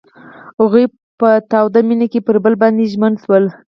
هغوی په تاوده مینه کې پر بل باندې ژمن شول.